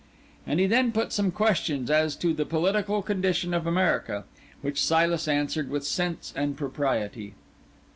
And he then put some questions as to the political condition of America, which Silas answered with sense and propriety.